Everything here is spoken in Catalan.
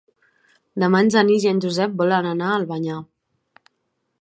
Demà en Genís i en Josep volen anar a Albanyà.